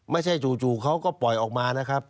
จู่เขาก็ปล่อยออกมานะครับ